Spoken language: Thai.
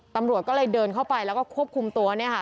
ตำรวจก็เลยเดินเข้าไปแล้วก็ควบคุมตัวเนี่ยค่ะ